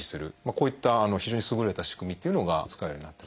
こういった非常に優れた仕組みっていうのが使えるようになって。